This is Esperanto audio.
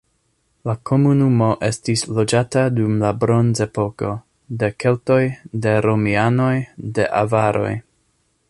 La komunumo estis loĝata dum la bronzepoko, de keltoj, de romianoj, de avaroj.